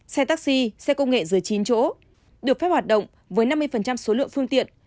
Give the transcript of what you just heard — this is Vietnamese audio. xe taxi xe công nghệ dưới chín chỗ được phép hoạt động với năm mươi số lượng phương tiện